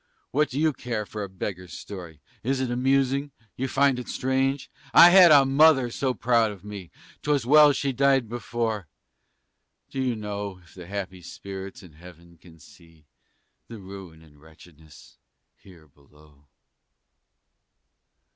What do you care for a beggar's story? Is it amusing? You find it strange? I had a mother so proud of me! 'Twas well she died before. Do you know If the happy spirits in heaven can see The ruin and wretchedness here below?